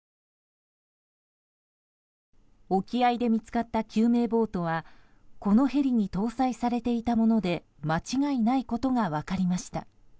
沖合で見つかった救命ボートはこのヘリに搭載されていたもので間違いないことが分かりました。